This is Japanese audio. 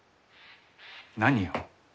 何を？